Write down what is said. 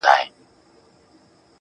اوس هم دا حال دی